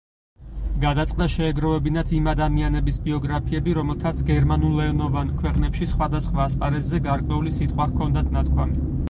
გადაწყდა, შეეგროვებინათ იმ ადამიანების ბიოგრაფიები, რომელთაც გერმანულენოვან ქვეყნებში სხვადასხვა ასპარეზზე გარკვეული სიტყვა ჰქონდათ ნათქვამი.